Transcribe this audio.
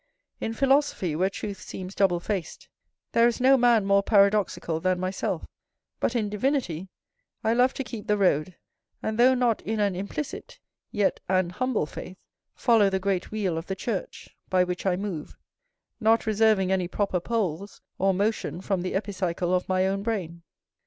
In philosophy, where truth seems double faced, there is no man more paradoxical than myself: but in divinity I love to keep the road; and, though not in an implicit, yet an humble faith, follow the great wheel of the church, by which I move; not reserving any proper poles, or motion from the epicycle of my own brain.